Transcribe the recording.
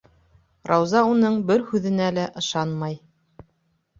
Рауза уның бер һүҙенә лә ышанмай.